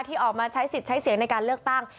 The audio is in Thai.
ออกมาใช้สิทธิ์ใช้เสียงในการเลือกตั้ง